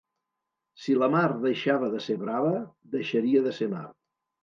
Si la mar deixava de ser brava, deixaria de ser mar.